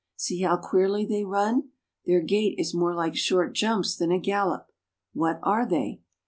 See how queerly they run. Their gait is more like short jumps than a gallop. What are they?